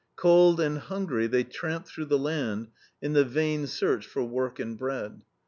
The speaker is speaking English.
Cold and hungry they tramped through the land in the vain search for work and bread.